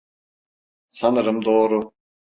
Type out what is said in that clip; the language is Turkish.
Sanırım doğru.